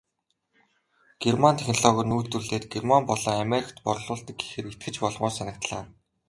Герман технологиор нь үйлдвэрлээд Герман болон Америкт борлуулдаг гэхээр итгэж болмоор санагдлаа.